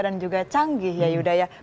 dan juga canggih ya yuda ya